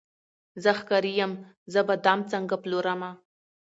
زه ښکاري یم زه به دام څنګه پلورمه